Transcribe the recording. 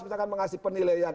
misalkan mengasih penilaian